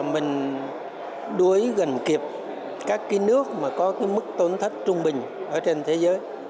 mình đuối gần kịp các nước có mức tổn thất trung bình trên thế giới